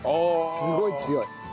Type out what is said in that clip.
すごい強い。